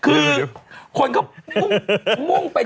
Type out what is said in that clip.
คือคนก็มุ่งไป